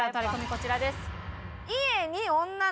こちらです。